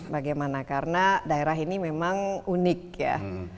bagaimana karena daerah ini memang unik ya